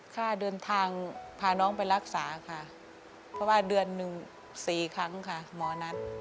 ค่าเดินทางพาน้องไปรักษาค่ะเพราะว่าเดือนหนึ่ง๔ครั้งค่ะหมอนัท